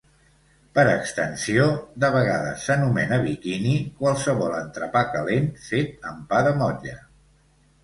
Per extensió, de vegades s'anomena biquini qualsevol entrepà calent fet amb pa de motlle.